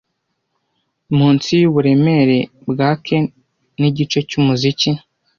munsi yuburemere bwa Ken. Ni igice cyumuziki,